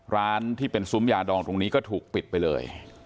ร้านที่เป็นซุ้มยาดองตรงนี้ก็ถูกปิดไปเลย